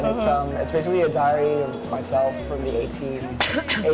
dan itu adalah sebuah diari dari saya dari usia delapan belas hingga dua puluh satu